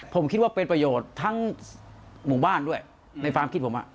ผมคิดว่าเป็นประโยชน์ทั้งหมู่บ้านด้วยในความคิดผม